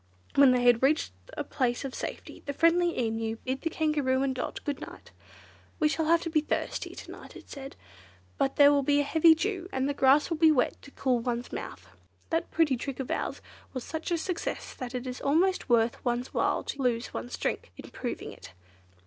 When they had reached a place of safety, the friendly Emu bid the Kangaroo and Dot good night. "We shall have to be thirsty to night," it said, "but there will be a heavy dew, and the grass will be wet enough to cool one's mouth. That pretty trick of ours was such a success that it is almost worth one's while to lose one's drink in proving it."